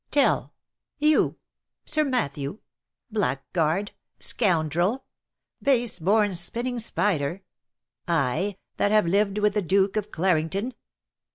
" Tell !— You ?— Sir Matthew ?— Blackguard ! scoundrel !— base born spinning' spider! — I, that have lived with the Duke of Clarington